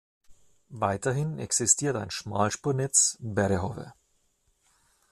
Weiterhin existiert ein Schmalspurnetz Berehowe.